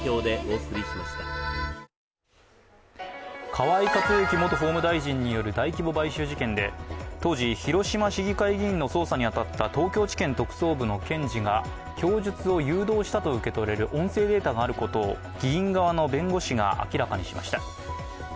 河井克行元法務大臣による大規模買収事件で、当時、広島市議会議員の捜査に当たった東京地検特捜部の検事が供述を誘導したと受け取れる音声データがあることを議員側の弁護士が明らかにしました。